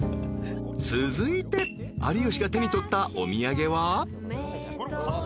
［続いて有吉が手に取ったお土産は］